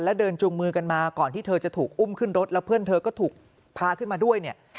แล้วเดินจูงมือกันมาก่อนที่เธอจะถูกอุ้มขึ้นรถแล้วเพื่อนเธอก็ถูกพาขึ้นมาด้วยเนี่ย